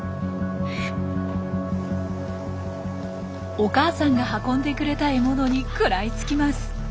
お母さんが運んでくれた獲物に食らいつきます。